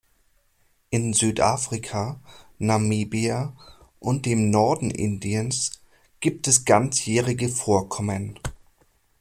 In Südafrika, Namibia und dem Norden Indiens gibt es ganzjährige Vorkommen.